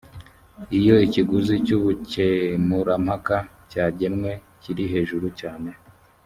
iyo ikiguzi cy ubukemurampaka cyagenwe kiri hejuru cyane